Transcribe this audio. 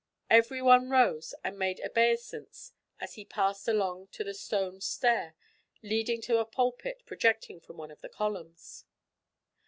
Every one rose and made obeisance as he passed along to the stone stair leading to a pulpit projecting from one of the columns.